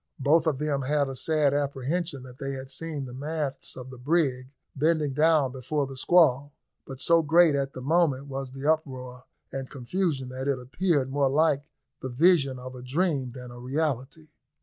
Both of them had a sad apprehension that they had seen the masts of the brig bending down before the squall, but so great at the moment was the uproar and confusion that it appeared more like the vision of a dream than a reality.